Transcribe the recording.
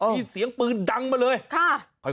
มีเสียงปืนดังมาเลยค่ะ